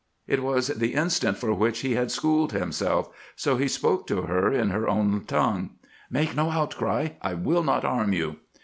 It was the instant for which he had schooled himself, so he spoke to her in her own tongue. "Make no outcry! I will not harm you."